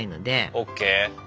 ＯＫ。